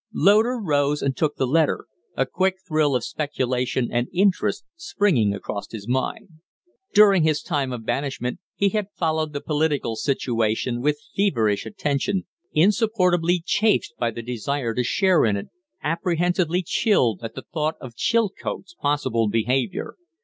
Loder rose and took the letter, a quick thrill of speculation and interest springing across his mind. During his time of banishment he had followed the political situation with feverish attention, insupportably chafed by the desire to share in it, apprehensively chilled at the thought of Chilcote's possible behavior.